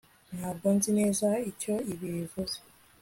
Ntabwo nzi neza icyo ibi bivuze